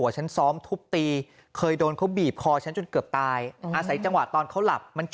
เนี่ยเธอบอกว่ายังไงรู้ไหม